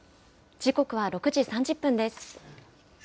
時刻は６時３０分です。